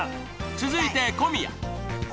続いて小宮。